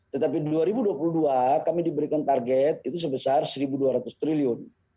tetapi dua ribu dua puluh dua kami diberikan target itu sebesar rp satu dua ratus triliun